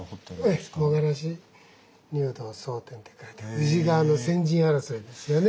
宇治川の先陣争いですよね。